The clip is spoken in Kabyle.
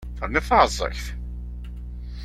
Terniḍ taεẓegt!